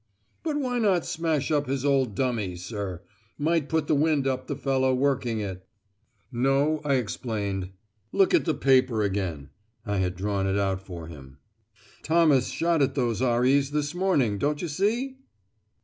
"But why not smash up his old dummy, sir? Might put the wind up the fellow working it." "No," I explained. "Look at the paper again. (I had drawn it out for him, as I have on the previous page.) Thomas shot at those R.E.'s this morning, don't you see?